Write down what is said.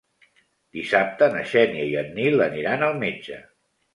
Dissabte na Xènia i en Nil aniran al metge.